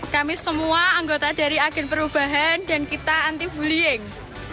kami semua anggota dari agen perubahan dan kita anti bullying